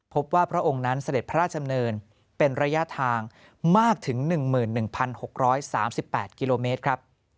พระองค์นั้นเสด็จพระราชดำเนินเป็นระยะทางมากถึง๑๑๖๓๘กิโลเมตรครับ